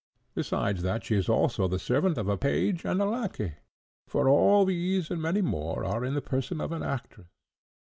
besides that she is also the servant of a page and a lackey? for all these, and many more, are in the person of an actress."